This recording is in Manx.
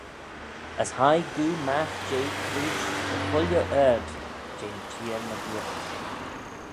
As hie goo magh jeh trooid dy chooilley ard jeh'n cheer mygeayrt.